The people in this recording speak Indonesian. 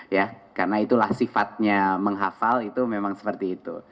ya karena itulah sifatnya menghafal itu memang seperti itu